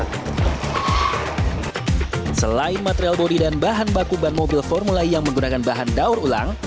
selain material bodi dan bahan baku ban mobil formula e yang menggunakan bahan daur ulang